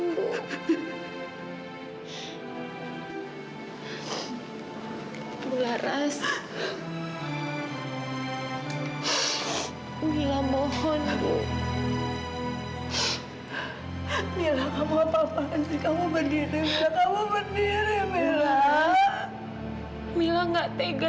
mila gak tega